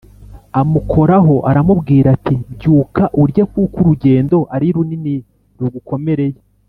amukoraho, aramubwira ati “Byuka urye kuko urugendo ari runini rugukomereye”